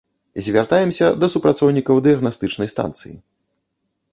Звяртаемся да супрацоўнікаў дыягнастычнай станцыі.